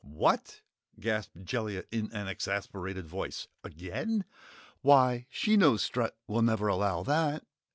"What?" gasped Jellia in an exasperated voice, "Again? Why she knows Strut will never allow that."